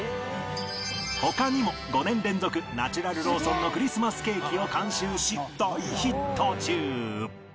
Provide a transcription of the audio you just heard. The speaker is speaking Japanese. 他にも５年連続ナチュラルローソンのクリスマスケーキを監修し大ヒット中